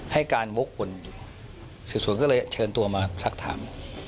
ให้การวกผลสืบสวนก็เลยเชิญตัวมาสักถาม